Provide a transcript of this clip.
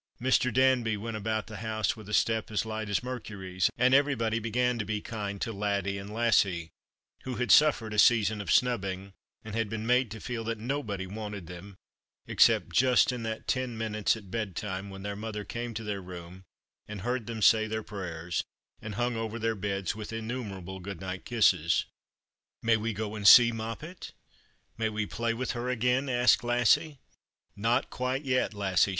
Mr. Danby went about the house with a stej) as light as Mercury's ; and everybody began to be kind to Laddie and Lassie, who had suffered a season of snubbing, and The Christmas Hirelings. 241 had been made to feel that nobody wanted them ; except just in that ten minutes at bedtime, when their mother came to their room, and heard them say their prayers, and hung over their beds, with innumerable good night kisses, " ^Fay we go and see ]\roppet ? ^fay we play \\ ith her again ?" asked I>assie. " Xot quite yet, Lassie.